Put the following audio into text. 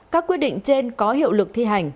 các quyết định trên có hiệu lực thi hành